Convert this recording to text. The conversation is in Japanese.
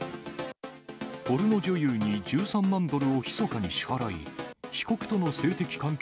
ポルノ女優に１３万ドルをひそかに支払い、被告との性的関係